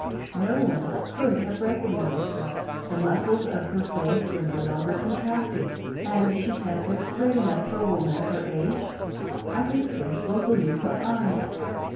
No one could have recognised her. The muscles of her face were, no longer contracted, and she sat there straight enough for a woman of her age. I could scarcely believe my eyes.